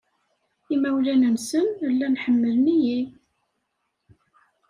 Imawlan-nsen llan ḥemmlen-iyi.